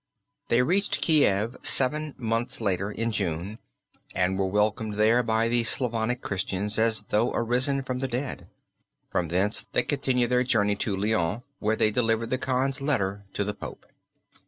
They reached Kiev seven months later, in June, and were welcomed there by the Slavonic Christians as though arisen from the dead. From thence they continued their journey to Lyons where they delivered the Khan's letter to the Pope.